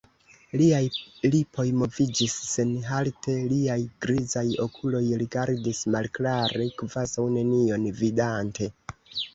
Liaj lipoj moviĝis senhalte, liaj grizaj okuloj rigardis malklare, kvazaŭ nenion vidante.